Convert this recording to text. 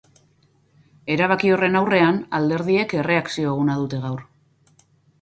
Erabaki horrenaurrean, alderdiek erreakzio eguna dute gaur.